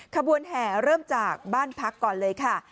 ขบวนแห่เริ่มจากบ้านพักก่อนเลยค่ะ